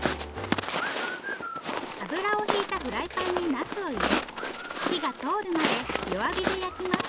油を引いたフライパンになすを入れ火が通るまで弱火で焼きます。